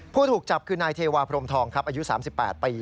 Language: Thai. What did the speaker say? ผู้ถูกจับคือนายเทวาพรมทองครับอายุ๓๘ปี